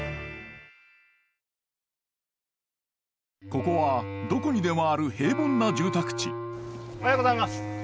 ここはどこにでもある平凡な住宅地おはようございます。